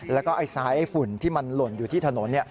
แล้วก็ไอ้ซ้ายไอ้ฝุ่นที่มันหล่นอยู่ที่ถนน